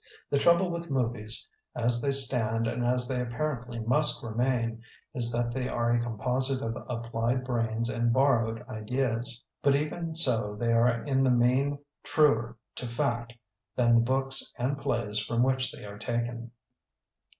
The trouble with movies as they stand and as they apparently must remain, is that they are a composite of applied brains and borrowed ideas. But even so they are in the main truer to fact than the books and plays from which they are taken."